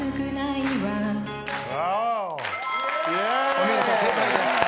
お見事正解です。